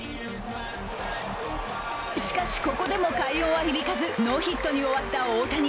しかし、ここでも快音は響かずノーヒットに終わった大谷。